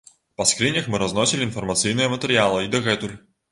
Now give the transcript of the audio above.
Па скрынях мы разносілі інфармацыйныя матэрыялы і дагэтуль.